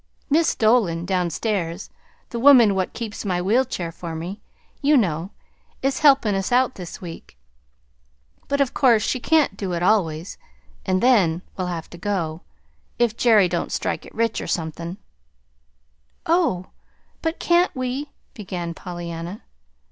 "Mis' Dolan down stairs the woman what keeps my wheel chair for me, you know is helpin' us out this week. But of course she can't do it always, and then we'll have to go if Jerry don't strike it rich, or somethin'." "Oh, but can't we " began Pollyanna.